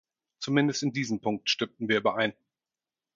Zumindest in diesem Punkt stimmten wir überein.